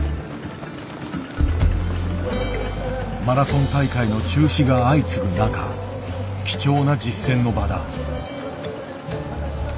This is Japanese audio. マラソン大会の中止が相次ぐ中貴重な実戦の場だ。